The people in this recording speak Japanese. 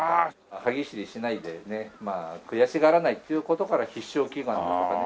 歯ぎしりしないでね悔しがらないっていう事から必勝祈願とかね。